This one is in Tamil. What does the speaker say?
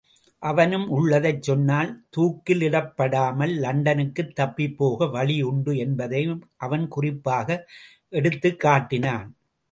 அவனும் உள்ளதைச் சொன்னால் தூக்கிலிடப்படாமல் லண்டனுக்குத் தப்பிப்போக வழி உண்டு என்பதையும் அவன் குறிப்பாக எடுத்துக்காட்டினான்.